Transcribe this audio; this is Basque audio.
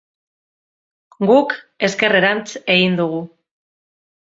Guk ezkerrerantz egin dugu.